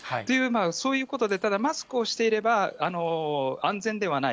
そういうことで、ただマスクをしていれば安全ではない。